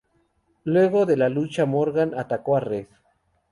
Luego de la lucha Morgan atacó a Red.